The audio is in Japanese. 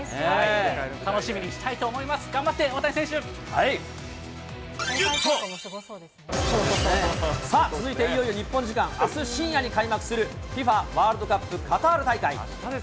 楽しみにしたいと思います、頑張って、大谷選手。さあ、続いて、いよいよ日本時間あす深夜に開幕するＦＩＦＡワールドカップカタール大会。